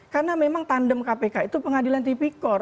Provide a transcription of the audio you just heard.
karena memang tandem kpk itu pengadilan tipikor